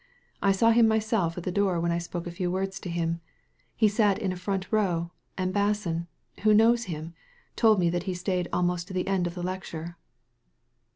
I saw him myself at the door, when I spoke a few words to him. He sat in a front row, and Basson — ^who knows him — told me that he stayed almost to the end of the lecture.